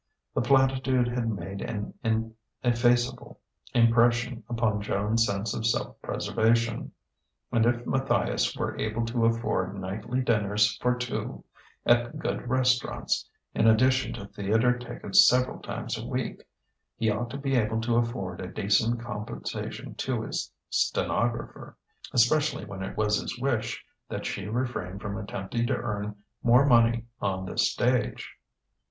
The platitude had made an ineffaceable impression upon Joan's sense of self preservation. And if Matthias were able to afford nightly dinners for two at good restaurants, in addition to theater tickets several times a week, he ought to be able to afford a decent compensation to his stenographer; especially when it was his wish that she refrain from attempting to earn more money on the stage.